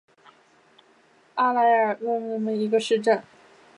阿莱尔斯特是德国下萨克森州的一个市镇。